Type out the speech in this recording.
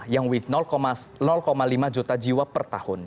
yang with lima juta jiwa per tahun